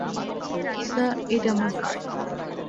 Sir এটা আমার card.